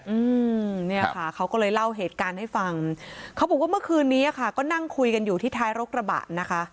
อืมเนี่ยค่ะเขาก็เลยเล่าเหตุการณ์ให้ฟังเขาบอกว่าเมื่อคืนนี้อ่ะค่ะก็นั่งคุยกันอยู่ที่ท้ายรกระบะนะคะ